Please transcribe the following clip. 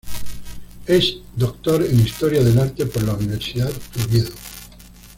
Es doctor en Historia del Arte por la Universidad de Oviedo.